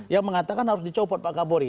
yang mengatakan harus dicopot pak kapolri